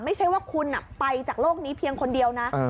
ไม่ใช่ว่าคุณไปจากโลกนี้เพียงคนเดียวนะ